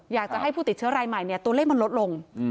อยากจะให้ผู้ติดเชื้อรายใหม่เนี่ยตัวเลขมันลดลง